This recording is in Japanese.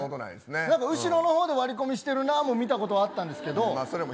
後ろの方で割り込みしてるなっていうのも見たことあったんですけど